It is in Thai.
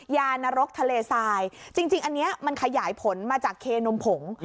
ยานรกทะเลทรายจริงอันนี้มันขยายผลมาจากเคนมผง